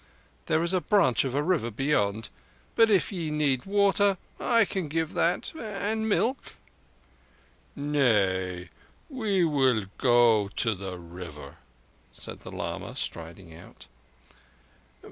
There is a branch of a river beyond. But if ye need water I can give that—and milk." "Nay, we will go to the river," said the lama, striding out.